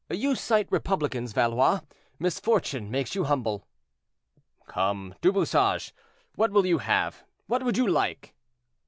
"You cite republicans, Valois; misfortune makes you humble." "Come, Du Bouchage, what will you have—what would you like?"